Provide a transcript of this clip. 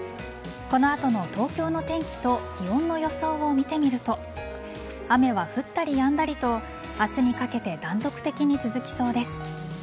この後の東京の天気と気温の予想を見てみると雨は降ったりやんだりと明日にかけて断続的に続きそうです。